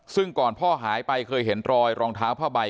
ซึ่งก่อนพ่อหายไปเคยเห็นรอยรองเท้าผ้าใบ